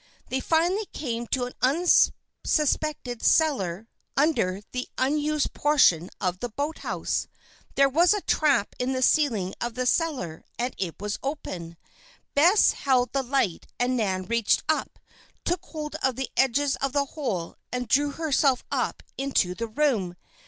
They finally came to an unsuspected cellar under the unused portion of the boathouse. There was a trap in the ceiling of this cellar, and it was open. Bess held the light and Nan reached up, took hold of the edges of the hole, and drew herself up into the room.